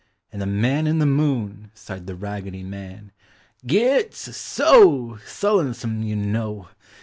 " And the Man in the Moon," sighed the Raggedy Man, "Gits! So! Sullonesome, you know!